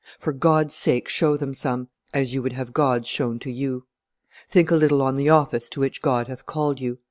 For God's sake show them some, as you would have God's shown to you. Think a little on the office to which God hath called you.